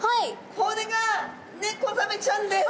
これがネコザメちゃんです！